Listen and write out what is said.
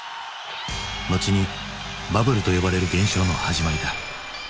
後にバブルと呼ばれる現象の始まりだ。